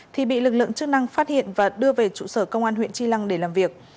thì bị lực lượng chức năng phát hiện và đưa về trụ sở công an huyện tri lăng để làm việc